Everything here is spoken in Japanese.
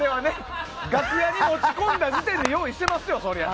楽屋に持ち込んだ時点で用意してますよ、そりゃ。